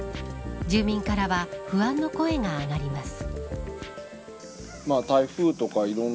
住民からは不安の声が上がります。